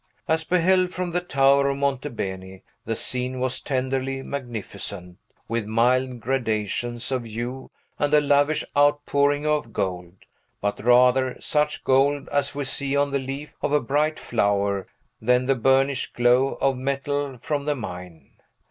As beheld from the tower of Monte Beni, the scene was tenderly magnificent, with mild gradations of hue and a lavish outpouring of gold, but rather such gold as we see on the leaf of a bright flower than the burnished glow of metal from the mine.